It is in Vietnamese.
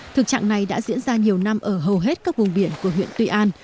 thực trạng này đã diễn ra nhiều năm ở hầu hết các vùng biển của huyện tuy an